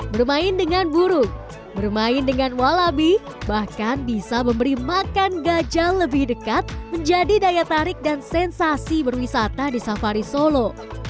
bermain dengan burung bermain dengan walabi bahkan bisa memberi makan gajah lebih dekat menjadi daya tarik dan sensasi berwisata di safari solo